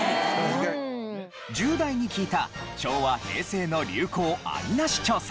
１０代に聞いた昭和・平成の流行アリナシ調査。